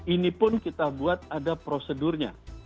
ini pun kita buat ada prosedurnya